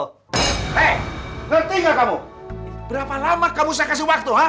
hei ngerti gak kamu berapa lama kamu saya kasih waktu